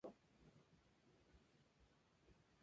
Varios libros han cubierto la vida de Flynn.